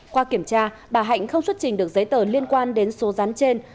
qua kiểm tra bà hạnh không xuất trình được giấy tờ liên quan đến số rán trên